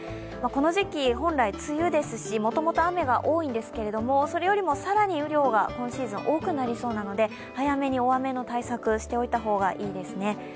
この時期、本来、梅雨ですしもともと雨が多いんですけどそれよりも更に雨量が今シーズン、多くなりそうなので早めに大雨の対策しておいた方がいいですね。